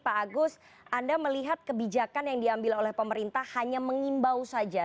pak agus anda melihat kebijakan yang diambil oleh pemerintah hanya mengimbau saja